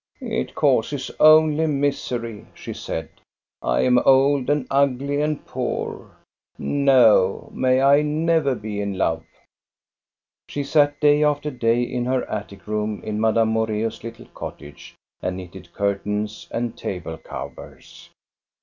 " It causes only misery," she said. " I am old and ugly and poor. No, may I never be in love !" She sat day after day in her attic room in Madame Moreus' little cottage, and knitted curtains and table ivers.